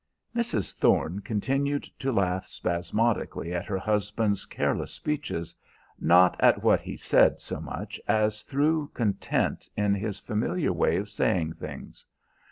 "Mrs. Thorne continued to laugh spasmodically at her husband's careless speeches, not at what he said so much as through content in his familiar way of saying things.